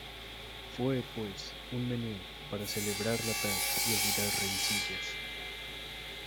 Fue, pues, un menú para celebrar la paz y olvidar rencillas.